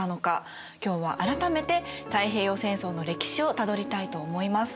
今日は改めて太平洋戦争の歴史をたどりたいと思います。